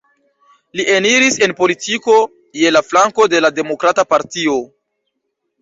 Li eniris en politiko je la flanko de la Demokrata Partio.